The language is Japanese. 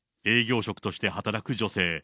営業職として働く女性。